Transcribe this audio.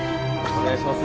お願いします。